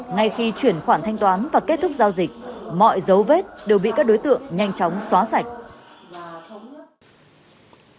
ngay khi chuyển khoản thanh toán và kết thúc giao dịch mọi dấu vết đều bị các đối tượng nhanh chóng xóa sạch